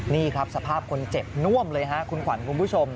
นี่ครับสภาพคนเจ็บน่วมเลยฮะคุณขวัญคุณผู้ชม